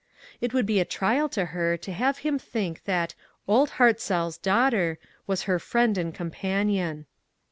It would be a trial to her to have him think that " Old Hart zell's" daughter was her friend and com panion.